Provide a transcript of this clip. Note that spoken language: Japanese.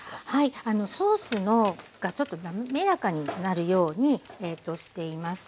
ソースがちょっと滑らかになるようにしています。